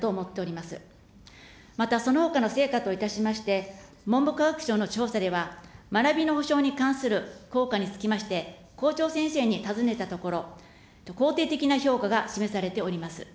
またそのほかの成果といたしまして、文部科学省の調査では、学びの保障に関する効果につきまして、校長先生に尋ねたところ、肯定的な評価が示されております。